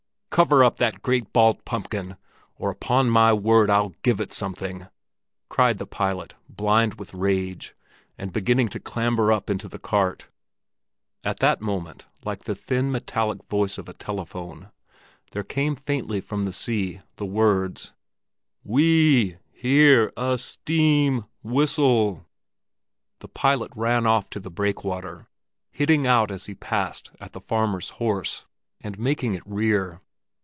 "Cover up that great bald pumpkin, or upon my word I'll give it something!" cried the pilot, blind with rage, and beginning to clamber up into the cart. At that moment, like the thin metallic voice of a telephone, there came faintly from the sea the words: "We—hear—a—steam—whistle!" The pilot ran off on to the breakwater, hitting out as he passed at the farmer's horse, and making it rear.